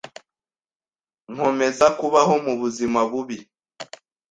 nkomeza kubaho mu buzima bubi